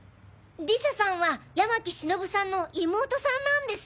理沙さんは山喜忍さんの妹さんなんです。